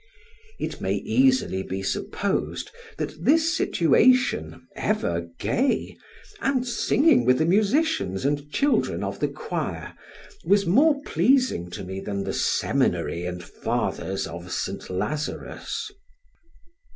It may easily be supposed that this situation, ever gay, and singing with the musicians and children of the choir, was more pleasing to me than the seminary and fathers of St. Lazarus.